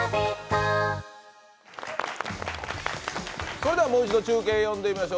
それではもう一度中継呼んでみましょう。